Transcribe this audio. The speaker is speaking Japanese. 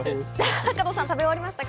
加藤さん、食べ終わりましたか？